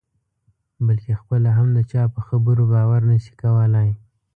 بلکې خپله هم د چا په خبرو باور نه شي کولای.